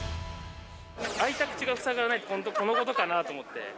開いた口が塞がらないって、本当、このことかなと思って。